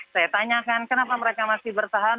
saya tanyakan kenapa mereka masih bertahan